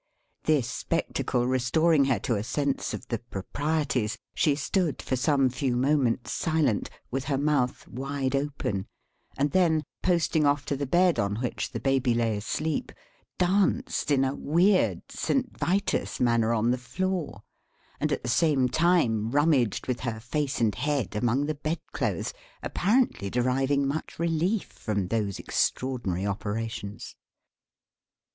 This spectacle restoring her to a sense of the proprieties, she stood for some few moments silent, with her mouth wide open: and then, posting off to the bed on which the Baby lay asleep, danced in a Weird, Saint Vitus manner on the floor, and at the same time rummaged with her face and head among the bedclothes: apparently deriving much relief from those extraordinary operations.